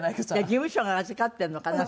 事務所が預かってるのかな？